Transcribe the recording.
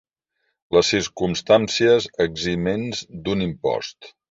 Les circumstàncies eximents d'un impost.